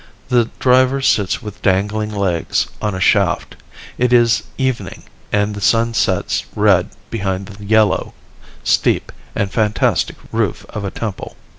The driver sits with dangling legs on a shaft. It is evening and the sun sets red behind the yellow, steep, and fantastic roof of a temple.